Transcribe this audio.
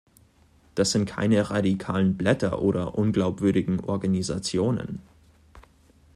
Das sind keine radikalen Blätter oder unglaubwürdigen Organisationen.